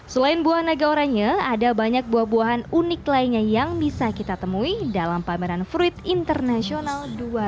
selain buah naga oranye ada banyak buah buahan unik lainnya yang bisa kita temui dalam pameran fruit international dua ribu dua puluh